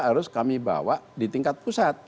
harus kami bawa di tingkat pusat